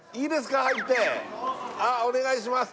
あっお願いします